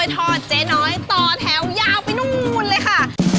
แถวยาวไปนู่นเลยค่ะ